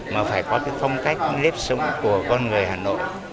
mà phải có cái phong cách cái lếp sống của con người hà nội